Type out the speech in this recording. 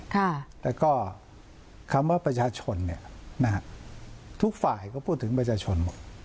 แต่ก็คำว่าประชาชนทุกฝ่ายก็พูดถึงประชาชนหมด